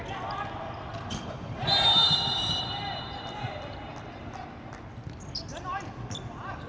สวัสดีครับทุกคน